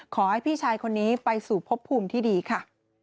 ขอให้พี่ชายคนนี้ไปสู่พบภูมิที่ดีค่ะ